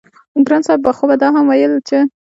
ګران صاحب خو به دا هم وييل چې